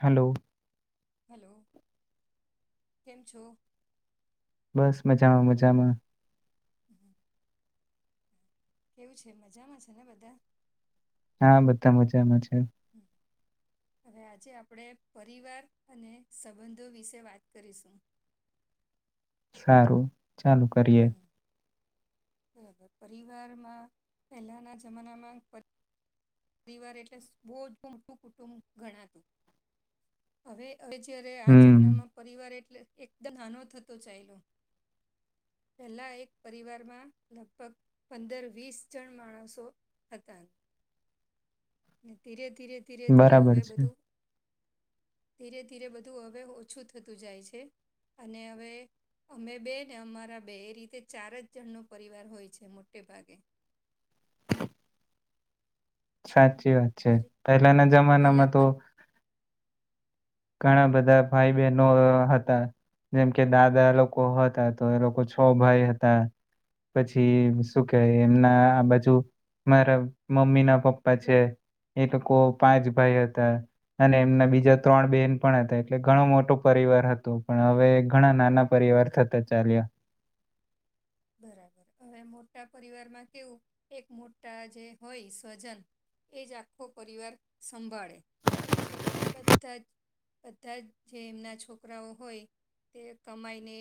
Hello. Hello કેમ છો [inaudible] બસ મજામાં મજામાં. હમ. કેવું છે મજામાં છે ને બધા. હા બધા મજામાંજા. હમ. હવે આજે આપણે પરિવાર અને સંબંધો વિશે વાત કરીશું. સારું ચાલુ કરીએ. હમ. પરિવારમાં પહેલાના જમાનામાં. પરિવાર એટલે બહુજ મોટું કુટુંબ ગણાતું હવે. હવે જયારે આ હમ જમાનામાં પરિવાર એટલે એકદમ નાનો થતો ચાલ્યો. પહેલા એક પરિવારમાં લગભગ પંદર વીસ જણ માણસો હતા. અને ધીરે ધીરે ધીરે ધીરે હવે બરાબર છે બધું. ધીરે ધીરે બધું હવે ઓછું થતું જાય છે અને હવે અમે બેને અમારા બેએ રીતે ચારજ જણનો પરિવાર હોય છે મોટે ભાગે. સાચી વાત છે પરી હમ પહેલાના પહેલા જમાનામાં તો પર ઘણા બધા ભાઈ બહેનો હ હતા જેમ કે દાદા લોકો હતા તો એ લોકો છ ભાઈ હતા. પછી શું કે એમના આ બાજુ મારા મમ્મી ના પપ્પા છે. એક કો પાંચ ભાઈ હતા, અને એમના બીજા ત્રણ બેન પણ હતા એટલે ઘણો મોટો પરિવાર હતો પણ હવે ઘણા નાના પરિવાર થતા ચાલ્યા. [inaudible] બરાબર. હવે મોટા પરિવારમાં કેવું એક મોટા જે હોય સ્વજન એ જ આખો પરિવાર સંભાળે. બધા જ બધા જ જે એમના છોકરાઓ હોય તે કમાયને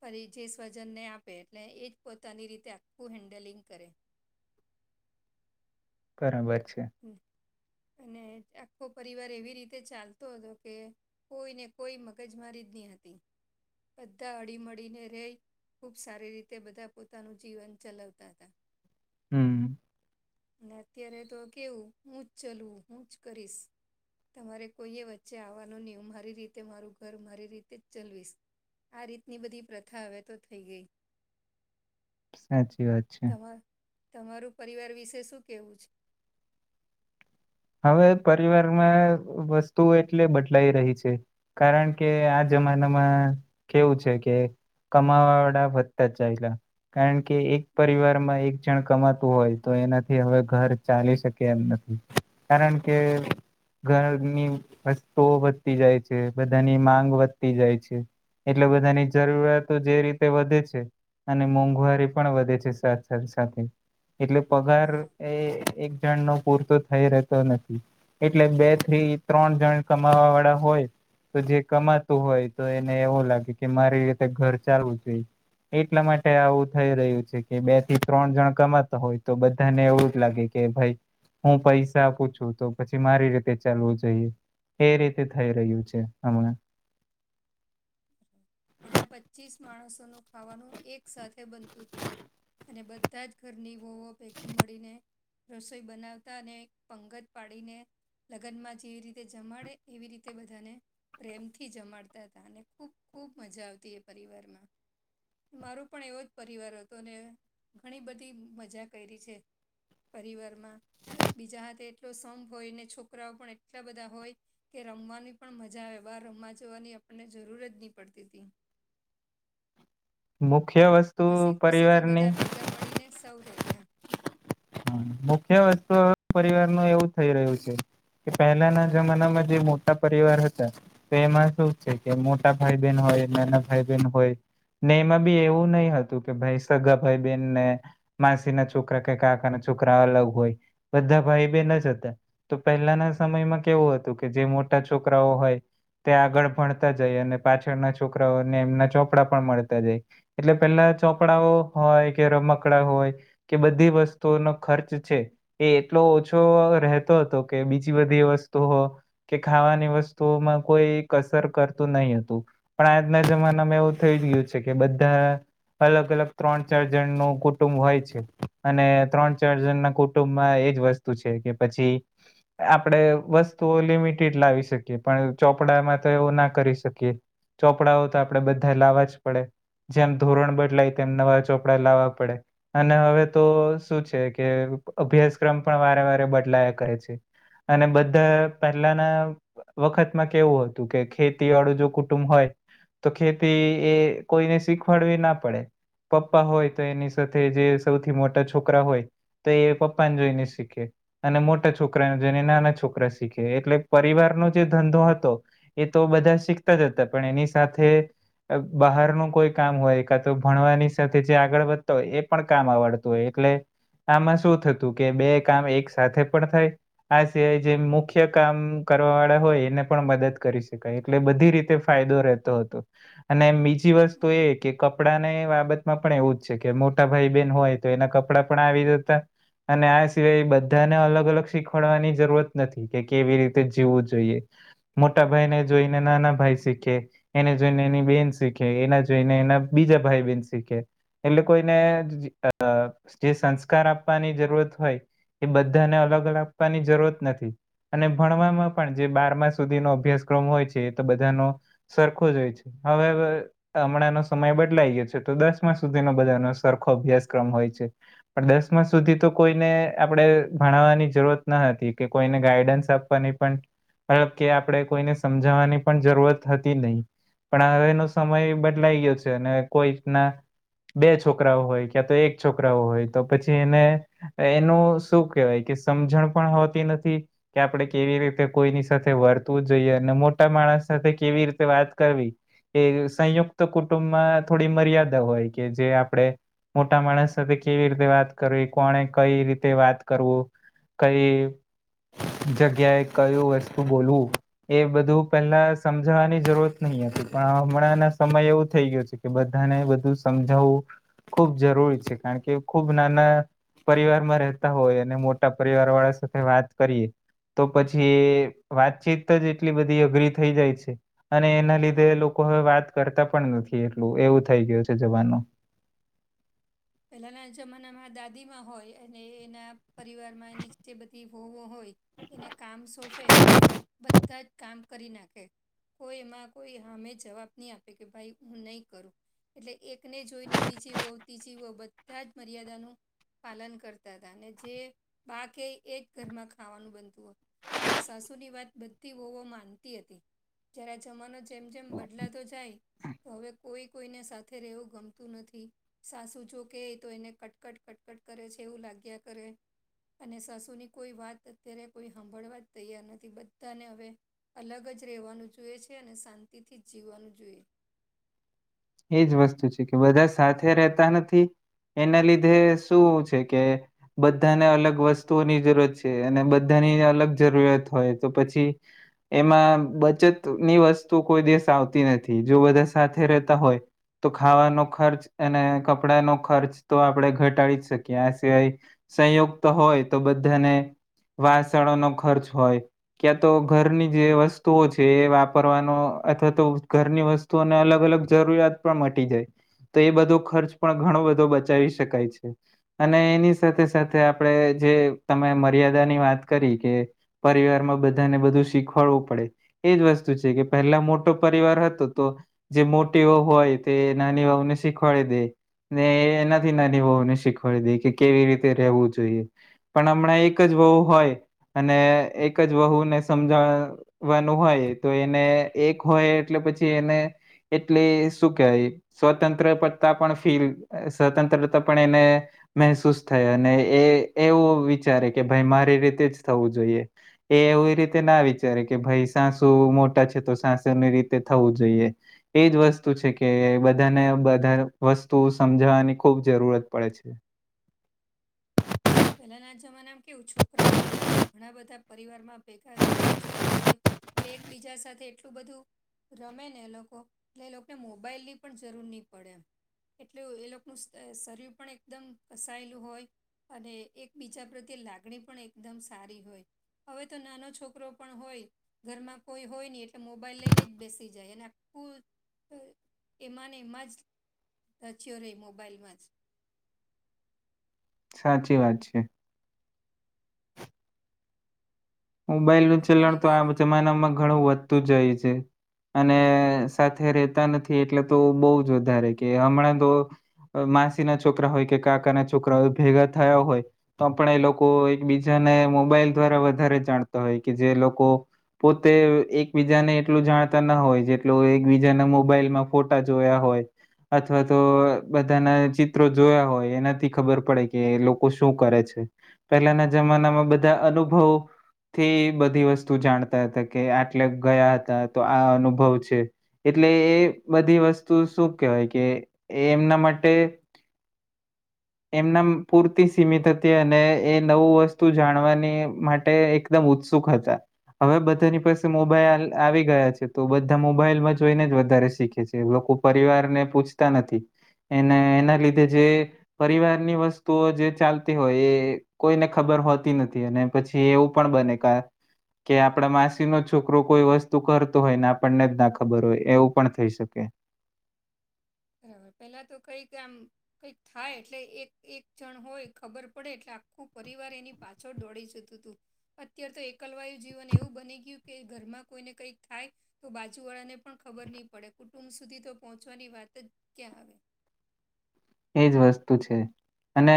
પરિજે સ્વજનને આપ આપે એટલે એ જ પોતાની રીતે આખું હેન્ડલિંગ કરે. બરાબર. છે અને આખો પરિવાર એવી રીતે ચાલતો હતો કે કોઈને કોઈ મગજ મારી જ નહી હતી. બધા હળી-મળી ને રેય ખૂબ સારી રીતે બધા પોતાનું જીવન ચલાવતા હતા. હમ્મ. ને અત્યારે તો કેવું હું જ ચલવું, હું જ કરીશ. તમારે કોઈએ વચ્ચે આવવાનું નહીં, હું મારી રીતે મારું ઘર મારી રીતે જ ચલવીશ. આ રીતની બધી પ્રથા હવે તો થઈ ગઈ. સાચ તમાર તમારું પરિવાર વિશે શું કેવું છે? હવે પરિવારમાં વસ્તુઓ એટલે બદલાઈ રહી છે કારણ કે આ જ માનામાં કેવું છે કે કમાવાવાળા વધતા જ ચાયલા. કારણકે એક પરિવારમાં એક જણ કમાતું હોય તો એનાથી હવે ઘર ચાલી શકે એમ નથી. કારણ કે ઘરની વસ્તુઓ વધતી જાય છે, બધાની માંગ વધતી જાય છે. એટલે બધાની જરૂરિયાતો જે રીતે વધે છે અને મોંઘવારી પણ વધે છે સાથ સાથે. એટલે પગાર હા એ એક જણ નો પૂરતો થઈ રહેતો નથી એટલે બે થી ત્રણ જણ કમાવા વાળા હોય તો જે કમાતું હોય તો એને એવું લાગે કે મારી રીતે ઘર ચાલવું જોઈ. એટલા માટે આવું થઈ રહ્યું છે કે બે થી ત્રણ જણ કમાતા હોય તો બધાને એવું જ લાગે કે ભાઈ હું પૈસા આપું છું તો પછી મારી રીતે ચાલવું જોઈએ. એ રીતે થઈ રહ્યું છે હમણા. [inaudible] પહેલા પચીસ માણસોનું ખાવાનું એક સાથે બનતું હતું. અને બધા જ ઘરની વોવો પેકી મળીને રસોઈ બનાવતા અને પંગજ પાડીને લગ્નમાં જેવી રીતે જમાડે એવી રીતે બધાને પ્રેમથી જમાડતા હતા તા અને ખૂબ ખૂબ મજા આવતી એ પરિવારમાં. મારો પણ એવો જ પરિવાર હતો અને ઘણી બધી મજા કયરી છે પરિવારમાં. એક બીજા હાથે એટલો સંપ હોય ને છોકરાઓ પણ એટલા બધા હોય કે રમવાની પણ મજા આવે બહાર રમવા જવાની આપણને જરૂર જ નહી પડતી તી. મુખ્ય વસ્તુ હસી ખુશી થી પરિવારની બધા ભેગા મળીને સૌ રહ હા મુખ્ય વસ્તુ હવે પરિવાર નું એવું થઈ રહ્યું છે કે પહેલાના જમાનામાં જે મોટા પરિવાર હતા તો એમાં શું છે કે મોટા ભાઈ બહેન હો ય નાના ભાઈ બહેન હોય ને એમાં બી એવું નહી હતું કે ભાઈ સગા ભાઈ બેનને માસી ના છોકરા કઈ કાકાના છો છોકરા અલગ હોય બધા ભાઈ બે ના જતા તો પહેલાના સમયમાં કેવું હતું કે જે મો ટા છોકરાઓ હોય. તે આગળ ભણતા જાય અને પાછળના છોકરાઓને એમના ચોપડા પણ મળતા જાય એટલે પેલા ચોપડાઓ હોય કે રમકડા હોય કે બધી વસ્ત તુ નો ખર્ચ છે એ એટલો ઓછો રહેતો હતો કે બીજી બધી વસ્તુઓ કે ખાવાની વસ્તુઓમાં કોઈ કસર કરતું નહી હતું પણ આજના જમાનામાં એવું થયું ગ્યું છે કે બધા અલગ અલગ ત્રણ ચાર જણ નું કુટુંબ હોય છે અને ત્રણ ચાર જણ ના કુટુંબમાં એજ વસ્તુ છે કે પછી આપણેે વસ્તુઓ લિમિટેડ લાવી શકીએ પણ ચોપડામાં તો એવો ના કરી શકીએ. ચોપડાઓ તો આપડે બધા લાવવા જ પડે. જેમ ધોરણ બદલાય તેમ નવા ચોપડા લાવવા પડે અને હવે તો શું છે કે અભ્યાસક્રમ પણ વારે વારે બદલાયા કરે છે. અને બધા પહેલાના વખતમાં કેવું હતું કે ખેતી વાળું જો કુટુંબ હોય. તો ખેતી એ કોઈને શીખવાડવી ના પડે. પપ્પા હોય તો એની સાથે જે સૌથી મોટા છોકરા હોય. તો એ પપ્પા ને જોઈને શીખે અને મોટા છોકરાને જોઈને નાના છોકરા શીખે એટલે પરિવાર નો જે ધંધો હતો એ તો બધા શીખતા જ હતા પણ એની સાથે બહારનું કોઈ કામ હોય કા તો ભણવાની સાથે જે આગળ વધતા હોય એ પણ કામ આવડતું હોય એટલે આમાં શું થતું કે બે કામ એક સાથે પણ થાય આ સિવાય જે મુખ્ય કામ કરવા વાળા હોય એને પણ મદદ કરી શકાય એટલે બધી રીતે ફાયદો રહેતો હતો અને બી જી વસ્તુ હમ. એ કે કપડાં ને બાબતમાં પણ એવું જ છે કે મોટા ભાઈ બહેન હોય તો એના ક પડા પણ આવી જ હતા અને આ સિવાય બધાને અલગ અલગ શીખવાડવાની જરૂરત નથી કે કેવી રીતે જીવવું જોઈએ. મોટા ભાઈને જોઈને નાના ભાઈ શીખે એને જોઈને એની બેન શીખે એને જોઈને એ ને બીજા ભાઈ બન શીખે એટલે કોઈને અ જે સંસ્કાર આપવાની જરૂરત હોય એ બધાને અલગ અલગ આપવાની જરૂરત નથી. અને ભણવામાં પણ જે બારમા સુધીનો અભ્યાસક્રમ હોય છે એ તો બધાનો સરખો જ હોય છે. હવેવે હમણાંનો સમય બદલાઈ ગયો છે તો દસમા સુધીનો બધાનો સરખો અભ્યાસક્રમ હોય છે. પણ દસમા સુધી તો કોઈને આપણેે ભણાવવાની જરૂરત ના હતી કે કોઈને ગાઈડન્સ આપ પાની પણબ કે આપણે કોઈને સમજાવવાની પણ જરૂરત હતી નહી. પણ હવે એનો સમય બદલાઈ ગયો છે અને કોઈ રીતના બે છોકરાઓ હોય ક્યાં તો એક છોકરાઓ હોય તો પછી એને એનું શું કેહેવાય કે સમજણ પણ હોતી નથી કે આપડે કેવી રીતે કોઈની સાથે વરતવું જઈએ અને મોટા માણસ સાથે કેવી રીતે વાત કરવી એ સંયુક્ત કુટુંબમાં થોડી મર્યાદા હોય કે જે આપણેે મોટા માણસ સાથે કેવી રીતે વાત કરવી કોને કઈ રીતે વાત કરું કઈ જગ્યાએ કયું વસ્તુ બોલવું એ બધું પેલા સમજવાની જરૂરત નય. પણ હમણાં ના સમય એવું થઈ ગયો છે કે બધાને બધું સમજાવવું ખુબ જરૂરી છે. કારણ કે ખુબ નાના પરિવાર માં રહેતા હોય અને મોટા પરિવાર વાળા સાથે વાત કરીએ. તો પછી એ વાતચીત જ એટલી બધી અઘરી થઈ જાય છે અને એના લીધે લોકો વે વાત કરતા પણ નથી એટલું એવું થઈ ગયું છે જવાનું. પેલાના જમાનામાં દાદીમાં હોય અને એના પરિવારમાં નીચે બધી હોવો હોય એને કામ સોંપે એટલે બધા જ કામ કરી નાખે. કોઈ એમાં કોઈ અમે જવાબ નહી આપે કે ભાઈ હું નહી કરું. એટલે એકને જોઈને બીજી વવ ત્રીજી વવ બધા જ મર્યાદાનું પાલન કરતા હતા અને જે બા કે એક ઘરમાં ખાવાનું બનતું હો. એટલે સાસુની વાત બધી વહવો માનતી હતી જ્યારે જમાનો જેમ જેમ બદલાતો જાય હવે કોઈ કોઈને સાથે રહેવું ગમતું નથી સાસુ જો કે તો એને કટકટ કટકટ કરે છે એવું લાગ્યા કરે અને સાસુની કોઈ વાત અત્યારે કોઈ સાંભળવાત તૈયાર નથી બધાને હવે અલગ જ જ રહેવાનું જુએ છે અને શાંતિથી જ જીવવાનું જોઈએ. એજ વસ્તુ છે કે બધા સાથે રહેતા નથી એના લીધે શું છે કે બધાને અલગ વસ્તુઓની જરૂરત છે અને બધા ની અલગ જરૂરિયાત હોય તો પછી એમાં બચત ની વસ્તુ કોઈ દસ આવતી નથી જો બધા સાથે રહેતા હોય તો ખાવાનો ખર્ચ અને કપડાનો ખર્ચ તો આપણે ઘટાડી જ શકીએ આ સિવાય સંયુક્ત હોય તો બધાને વાસણો નો ખર્ચ હોય ક્યા તો ઘરની જે વસ્તુઓ છે એ વાપરવાનો અથવા તો ઘરની વસ્તુઓને અલગ અલગ જરૂરિયાત પણ મટી જાય. તો એ બધો ખર્ચ પણ ઘણો બધો બચાવી શકાય છે. અને એની સાથે સાથે આપણે જે તમે મર્યાદા ની વાત કરી કે પરિવારમાં બધાને બધું શીખવાડવું પડે. એજ વસ્તુ છે કે પહેલા મોટો પરિવાર હતો તો જે હોય તે નાની વાવુ ને શીખવાડી દે. ને એના નાની બહુ ને શીખવાડી દે કે કેવી રીતે રવું જોઈએ. પણ હમણાં એક જ વું હોય. અને એક જ વહુને સમજાવવાનું હોય તો એને એક હોય એટલે પછી એને એટલે શું કેહેવાય સ્વતંત્રતા પણ ફીલ સ્વતંત્રતા પણ એને મહેસૂસ થઈ અને એ એવું વિચારે કે ભાઈ મારી રીતે જ થવું જોઈએ એ એવું એ રીતે ના વિચારે કે ભાઈ સાસુ મોટા છે તો સાસુની રીતે થવું જોઈએ. એજ વસ્તુ છે કે બધાને બધા વસ્તુ સમજાવાની ખૂબ જરૂરત પડે છે. [inaudible] પહેલાના જમાનામાં કેવું છોકરાઓ બધા ઘણા બધા પરિવારમાં ભેગા ઘણા છોકરાઓ હોય. એટલે એકબીજા સાથે એટલું બધું રમે ને એ લોકો એટલે એ લોકોને મોબાઈલ ની પણ જરૂર નહી પડેમ. એટલે એ લોકોનું શરીર પણ એકદમ ફસાયેલું હોય. અને એકબીજા પ્રત્યે લાગણી પણ એકદમ સારી હોય. હવે તો નાનો છોકરો પણ હોય. ઘરમાં કોઈ હોય ની એટલે મોબાઈલ લઈને જ બેસી જાય અને આખું. એમાંને એમાં જ રચ્યો રે મોબાાઈલમાં જ. [inaudible] સાચી વાત છે. મોબાઈલનું એટલે ચલણ તો પરિવાર આ જમાનામાં ઘણું વધતું જાય છે. અને સાથે રેતા નથી એટલે તો બહુ જ વધારે કે હમણાં તો અ માસીના છોકરા હોય કે કાકાના છોકરા હોય ભેગા થયા હોય તો પણ એ લોકો એકબીજા ને મોબાઈલ દ્વારા વધારે જાણતા હોય કે જે લોકો પોતે એકબીજાને એટલું જાણતા ના હોય જેટલું એકબીજાના મોબાઈલમાં ફોટા જોયા હોય અથવા તો બધાના ચિત્રો જોયા હોય એનાથી ખબર પડે કે લોકો શું કરે છે. પહેલાના જમાનામાં બધા અનુભવો થી બધી વસ્તુ જાણતા હતા કે આટલે ગયા હતા તો આ અનુભવ છે એટલે એ એ બધી વસ્તુ શું કેહેવાય કે એ એમના માટે એમનમ પૂરતી સીમિત હતી અને એ નવું વસ્તુ જાણવાની માટે એકદમ. ઉત્સુક હતા. હવે બધાની પાસે મોબાઈલ આવી ગયા છે તો બધા મોબાઈલમાં જોઈને જ વધારે શીખે છે લોક કો. પરિવારને પૂછતા નથી એને એના લીધે જે પરિવારની વસ્તુઓ જે ચાલતી હોય એ કોઈને ખબર હોતી નથી અને પછી એવું પણ બને કા [inaudible] કે આપણા માસીનો છોકરો કોઈ વસ્તુ કરતો હોય ને આપણને જ ના ખબર હોય એવું પણ થઈ શકે [inaudible] બરાબર પેલા તો કઈક આમ કંઈક થાય એટલે એક એક જણ હોય ખબર પડે એટલે આખું પરિવાર એની પાછળ દોડી જતું તું અત્યારે તો એકલવાયુ જીવન એવું બની ગયું કે ઘરમાં કોઈને કંઈક થાય તો બાજુવાળાને પણ ખબર ની પડે કુટુંબ સુધી તો પહોંચવાની વાત ત જ ક્યાં આવે એજ વસ્તુ છે અને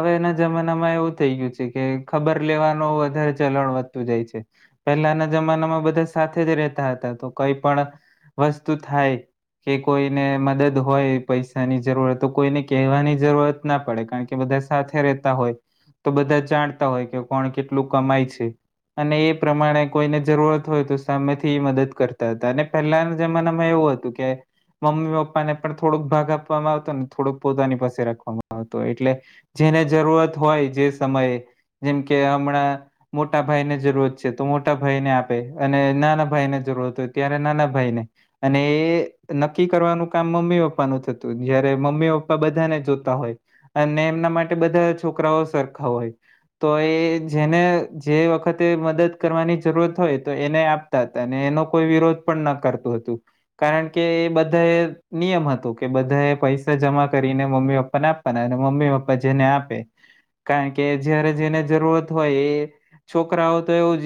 હવેના જમાનામાં એવું થઇ ગયું છે કે ખબર લેવાનું વધારે ચલણ વધતું જાય છે. પહેલાના જમાનામાં બધા સાથે જ રેતા હતા તો કઈ પણ વસ્તુ થાય કે કોઈને મદદ હોય પૈસાની જરૂરત તો કોઈને કહેવાની જરૂરત ના પડે કારણ કે બધા સાથે રહેતા હોય તો બધા જાણતા હોય કે કોણ કેટલું કમાય છે. અને એ પ્રમાણે કોઈને જરૂરત હોય તો સામેથી મદદ કરતા હતા અને પહેલાના જમાનામાં એવું એવું હતું કે મમ્મી પપ્પાને પણ થોડુંક ભાગ આપવામાં આવતો ને થોડોક પોતાની પાસે રાખવામાં આવતો એટલે જેને જરૂરત હોય જે સમયે જેમ કે કે હમણાં મોટા ભાઈને જરૂરત છે તો મોટા ભાઈને આપે અને નાના ભાઈને જરૂરત હોય ત્યારે નાના ભાઈને અને એ નક્કી કરવાનું કામ મમ્મી પપ્પાનું થતું જયારે મમ્મી પપ્પા બધાને જોતા હોય અને એમના માટે બધા છોકરાઓ સરખા હોય તો એ જેને જે વખત તે મદદ કરવાની જરૂરત હોય તો એને આપતા હતા ને એનો કોઈ વિરોધ પણ ન કરતું હતું. કારણ કે એ બધાએ નિયમ હતો કે બધાએ પૈસા સા જમા કરીને મમ્મી પપ્પાને આપવાના અને મમ્મી પપ્પા જેને આપે કારણ કે જયારે જેને જરૂરત હોય એ છોકરાઓ તો એવું જ